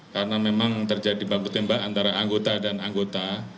karena memang terjadi bangku tembak antara anggota dan anggota